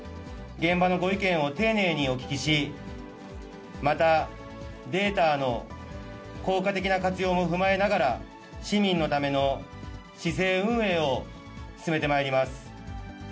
現場のご意見を丁寧にお聞きし、またデータの効果的な活用も踏まえながら、市民のための市政運営を進めてまいります。